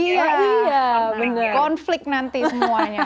iya konflik nanti semuanya